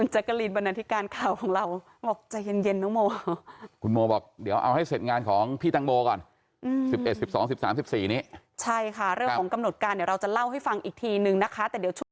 ใจเย็นนะคะน้องโม